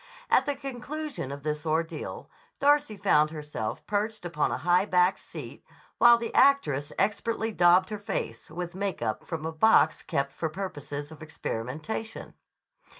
At the conclusion of this ordeal Darcy found herself perched upon a high backed seat while the actress expertly daubed her face with make up from a box kept for purposes of experimentation.